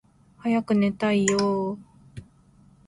早く寝たいよーー